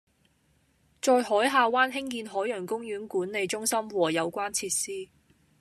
在海下灣興建海洋公園管理中心和有關設施